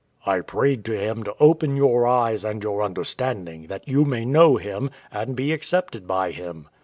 _ I prayed to Him to open your eyes and your understanding, that you may know Him, and be accepted by Him.